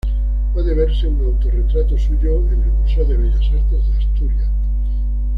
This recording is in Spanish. Puede verse un auto-retrato suyo en el Museo de Bellas Artes de Asturias.